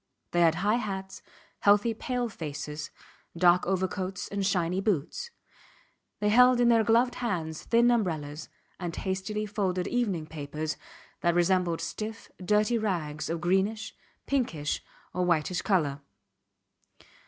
They had high hats, healthy pale faces, dark overcoats and shiny boots; they held in their gloved hands thin umbrellas and hastily folded evening papers that resembled stiff, dirty rags of greenish, pinkish, or whitish colour.